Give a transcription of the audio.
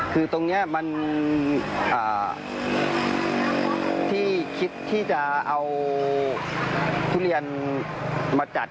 คือตรงนี้มันที่คิดที่จะเอาทุเรียนมาจัด